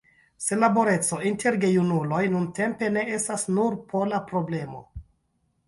Senlaboreco inter gejunuloj nuntempe ne estas nur pola problemo.